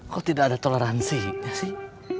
kok tidak ada toleransinya sih